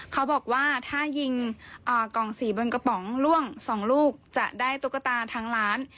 เขาบอกว่าถ้ายิงกล่องสีบนกระป๋องล่วง๒ลูกจะได้ตุ๊กตาทางร้าน